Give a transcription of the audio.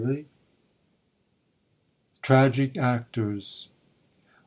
TRAGIC ACTORS.